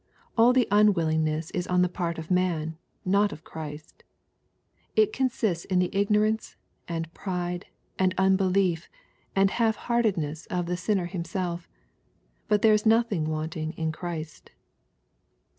All the unwillingness is on the part of man, not of Christ. It consists in the ignorance, and pride, and unbelief, and half heartednessof the sinner himself. But there is nothing wanting in Christ.